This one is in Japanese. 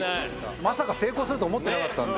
まさか成功するとは思ってなかったんで。